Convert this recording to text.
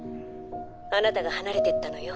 あなたが離れていったのよ。